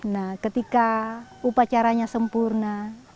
nah ketika upacaranya sempurna